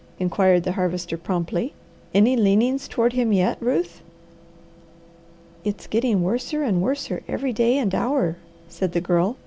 inquired the Harvester promptly. "Any leanings toward him yet, Ruth?" "It's getting worser and worser every day and hour," said the Girl.